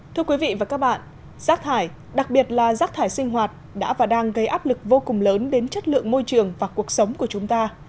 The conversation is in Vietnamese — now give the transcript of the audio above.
thưa quý vị và các bạn rác thải đặc biệt là rác thải sinh hoạt đã và đang gây áp lực vô cùng lớn đến chất lượng môi trường và cuộc sống của chúng ta